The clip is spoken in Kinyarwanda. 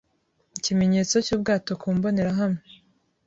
Ikimenyetso cy'ubwato ku mbonerahamwe.